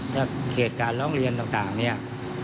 ถ้าเขตการร้องเรียนต่างเนี่ย